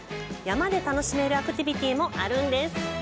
山で楽しめるアクティビティもあるんです。